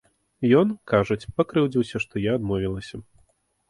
Ён, кажуць, пакрыўдзіўся, што я адмовілася.